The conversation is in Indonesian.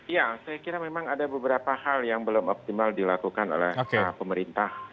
ya saya kira memang ada beberapa hal yang belum optimal dilakukan oleh pemerintah